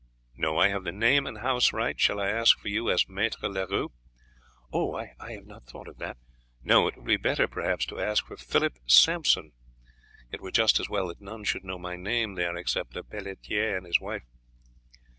"No, I have the name and house right. Shall I ask for you as Maître Leroux?" "I have not thought of that. No, it will be better, perhaps, to ask for Philip Sampson; it were just as well that none should know my name there except Lepelletiere and his wife."